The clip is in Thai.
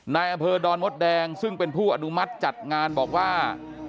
นายอำเภอดอนมดแดงซึ่งเป็นผู้อนุมัติจัดงานบอกว่า